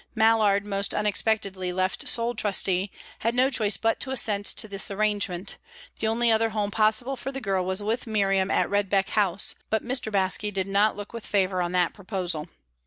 Mallard, most unexpectedly left sole trustee, had no choice but to assent to this arrangement; the only other home possible for the girl was with Miriam at Redbeck House, but Mr. Baske did not look with favour on that proposal.